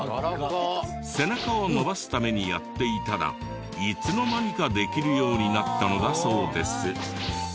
背中を伸ばすためにやっていたらいつの間にかできるようになったのだそうです。